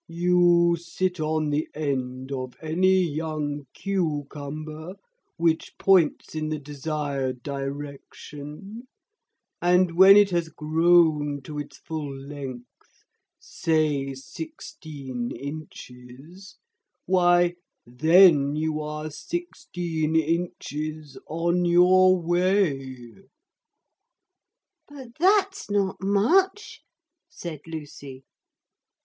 'You sit on the end of any young cucumber which points in the desired direction, and when it has grown to its full length say sixteen inches why, then you are sixteen inches on your way.' 'But that's not much,' said Lucy.